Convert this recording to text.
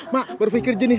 mak berpikir gini